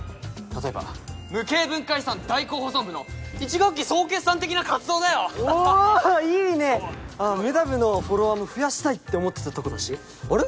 例えば無形文化遺産代行保存部の１学期総決算的な活動だよおおーいいねムダ部のフォロワーも増やしたいって思ってたとこだしあれ？